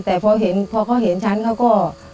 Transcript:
แต่พอเค้าเห็นฉันเค้าก็